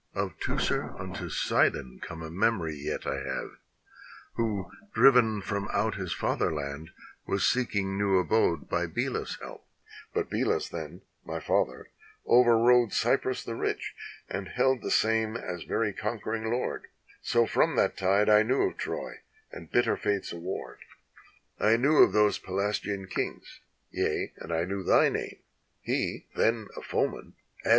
Of Teucer unto Sidon come a memory yet I have. Who, driven from out his fatherland, was seeking new abode By Belus' help: but Belus then, my father, over rode Cyprus the rich, and held the same as very conquering lord: So from that tide I knew of Troy and bitter Fate's award, 276 ^NEAS AT THE COURT OF DIDO ^NEAS AT THE COURT OF DIDO BY PIERRE NARCISSE GUERIN {France.